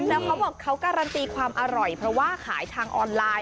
แล้วเขาบอกเขาการันตีความอร่อยเพราะว่าขายทางออนไลน์